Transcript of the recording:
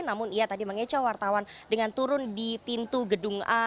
namun ia tadi mengecoh wartawan dengan turun di pintu gedung a